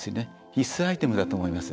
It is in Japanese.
必須アイテムだと思います。